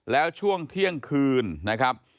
แล้วช่วงเที่ยงคืนนะครับ